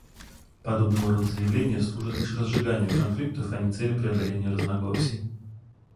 Подобного рода заявления служат лишь разжиганию конфликтов, а не цели преодоления разногласий.